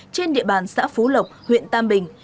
trên địa bàn xã phú lộc huyện tam bình